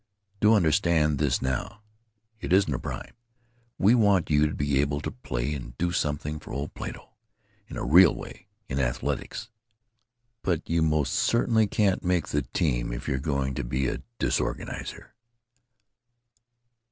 Do understand this now; it isn't a bribe; we want you to be able to play and do something for old Plato in a real way—in athletics. But you most certainly can't make the team if you're going to be a disorganizer."